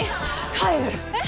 帰るえっ？